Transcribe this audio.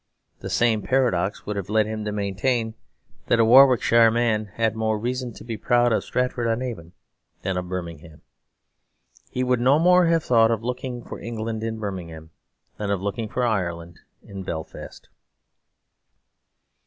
The same paradox would have led him to maintain that a Warwickshire man had more reason to be proud of Stratford on Avon than of Birmingham. He would no more have thought of looking for England in Birmingham than of looking for Ireland in Belfast.